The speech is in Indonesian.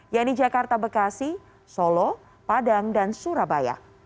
yaitu jakarta bekasi solo padang dan surabaya